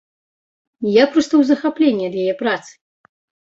Я проста ў захапленні ад яе працы!